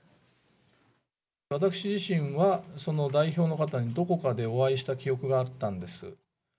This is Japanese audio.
私自身は、その代表の方に、どこかでお会いした記憶があったんです。